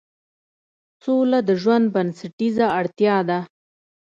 سوله د ژوند بنسټیزه اړتیا ده